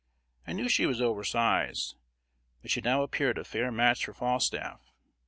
I knew she was oversize, but she now appeared a fair match for Falstaff.